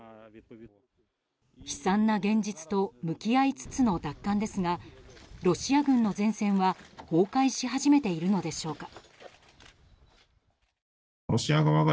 悲惨な現実と向き合いつつの奪還ですがロシア軍の前線は崩壊し始めているのでしょうか。